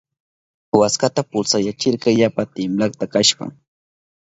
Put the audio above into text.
Waskata pulsayachirka yapa timplakta kashpan.